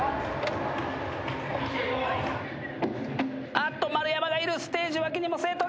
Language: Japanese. あっと丸山がいるステージ脇にも生徒が。